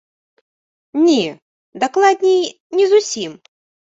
Не, дакладней, не зусім.